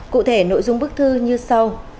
cụ thể nội dung bức thư như sau